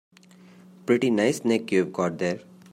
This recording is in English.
Pretty nice neck you've got there.